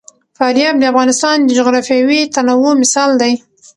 فاریاب د افغانستان د جغرافیوي تنوع مثال دی.